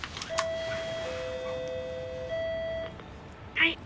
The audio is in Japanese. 「はい」